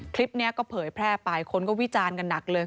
คลิปนี้ก็เผยแพร่ไปคนก็วิจารณ์กันหนักเลย